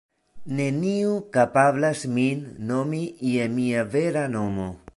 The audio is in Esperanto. Neniu kapablas min nomi je mia vera nomo.